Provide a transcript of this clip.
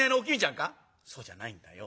「そうじゃないんだよ。